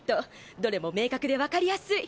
どれも明確でわかりやすい。